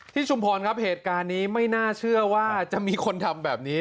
ชุมพรครับเหตุการณ์นี้ไม่น่าเชื่อว่าจะมีคนทำแบบนี้